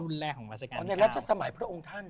อ๋อในราชสมัยพระองค์ท่าน